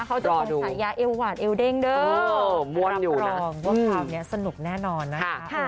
ก็พร้อมว่าคราวนี้สนุกแน่นอนนะครับ